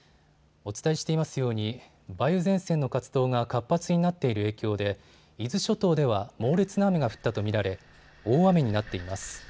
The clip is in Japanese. お伝えしていますように梅雨前線の活動が活発になっている影響で伊豆諸島では猛烈な雨が降ったと見られ大雨になっています。